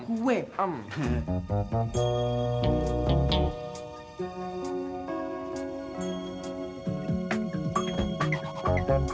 oh ini dia